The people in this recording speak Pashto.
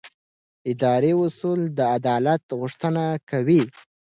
اداري اصول د عدالت غوښتنه کوي.